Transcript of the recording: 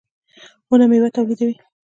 • ونه مېوه تولیدوي.